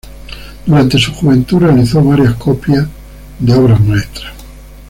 Durante su juventud realizó varias copias de obras maestras.